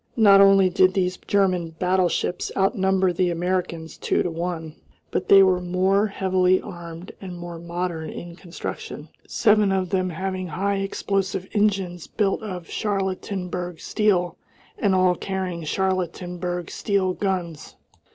Not only did these German battleships outnumber the Americans two to one, but they were more heavily armed and more modern in construction seven of them having high explosive engines built of Charlottenburg steel, and all carrying Charlottenburg steel guns.